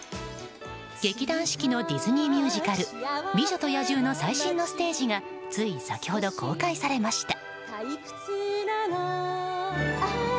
劇団四季のディズニーミュージカル「美女と野獣」の最新のステージがつい先ほど公開されました。